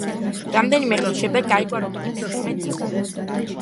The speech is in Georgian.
რამდენიმე ხნის შემდეგ გაირკვა, რომ იგი ფეხმძიმედ იყო.